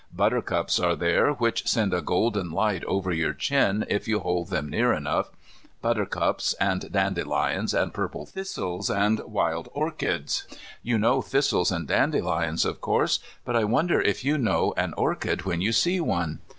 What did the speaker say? Buttercups are there which send a golden light over your chin if you hold them near enough, buttercups, and dandelions, and purple thistles, and wild orchids. You know thistles and dandelions, of course, but I wonder if you know an orchid when you see one?